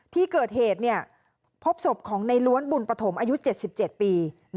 ที่เกิดเหตุพบศพของในล้วนบุญปฐมอายุ๗๗ปี